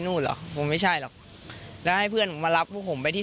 เหรอผมไม่ใช่หรอกแล้วให้เพื่อนผมมารับพวกผมไปที่